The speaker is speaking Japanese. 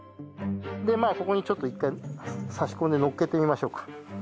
まあここにちょっと一回さし込んでのっけてみましょうか。